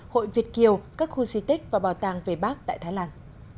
hội việt kiều các khu di tích và bảo tàng về bắc tại thái lan